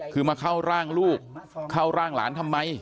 คือมาเข้าร่างลูกเข้าร่างหลานทำไม